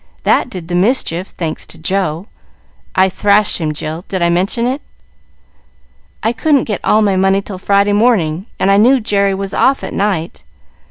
That did the mischief, thanks to Joe. I thrashed him, Jill did I mention it?" "I couldn't get all my money till Friday morning, and I knew Jerry was off at night.